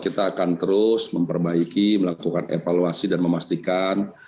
dan terus memperbaiki melakukan evaluasi dan memastikan